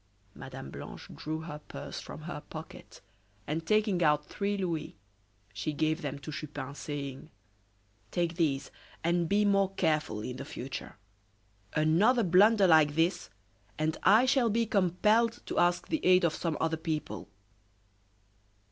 Mme. Blanche drew her purse from her pocket, and taking out three louis, she gave them to Chupin, saying: "Take these, and be more careful in future. Another blunder like this, and I shall be compelled to ask the aid of some other person."